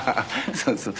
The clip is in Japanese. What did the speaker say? そうそう。